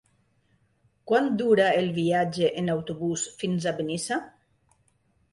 Quant dura el viatge en autobús fins a Benissa?